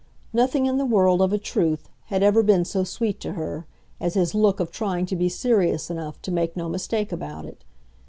Nothing in the world, of a truth, had ever been so sweet to her, as his look of trying to be serious enough to make no mistake about it.